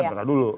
oh nggak dulu